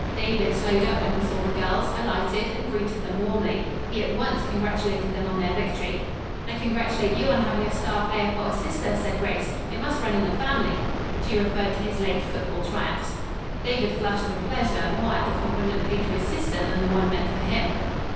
David slowed up when he saw the girls, alighted and greeted them warmly. He at once congratulated them on their victory. "I congratulate you on having a star player for a sister," said Grace. "It must run in the family." She referred to his late football triumphs. David flushed with pleasure, more at the compliment paid to his sister than the one meant for him.